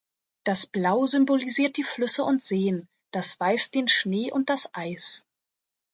Das Blau symbolisiert die Flüsse und Seen, das Weiß den Schnee und das Eis.